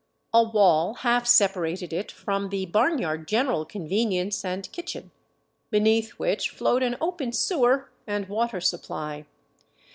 A wall half separated it from the barn yard general convenience and kitchen, beneath which flowed an open sewer and water supply.